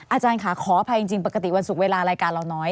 อาจารย์ค่ะขออภัยจริงปกติวันศุกร์เวลารายการเราน้อย